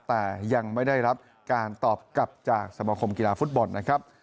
แต่ยังไม่ได้รับการตอบกลับจากสมคมกีฬาฟุตบอลนะครับ